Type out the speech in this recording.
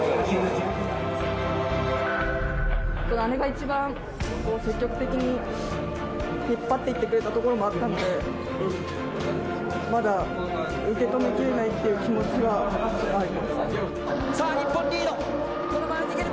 姉が一番積極的に引っ張っていってくれたところもあったので、まだ受け止めきれないという気持ちはあります。